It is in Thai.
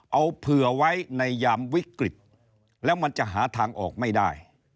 เอาเผื่อไว้ในยามวิกฤตแล้วมันจะหาทางออกไม่ได้